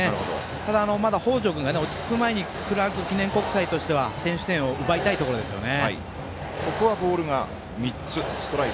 ただ、北條君が落ち着く前にクラーク記念国際としては先取点を奪いたいところですね。